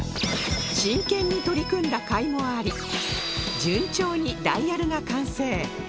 真剣に取り組んだ甲斐もあり順調にダイヤルが完成